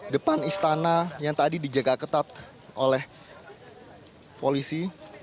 depan istana yang tadi dijaga ketat oleh polisi